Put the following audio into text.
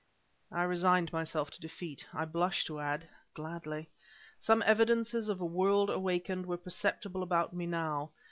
I resigned myself to defeat; I blush to add, gladly! Some evidences of a world awakening were perceptible about me now.